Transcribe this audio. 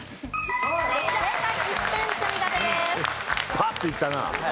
パッていったな。